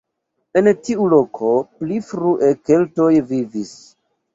En tiu loko pli frue keltoj vivis.